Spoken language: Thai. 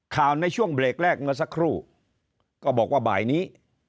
ข่าวในช่วงเบรกแรกเมื่อสักครู่ก็บอกว่าบ่ายนี้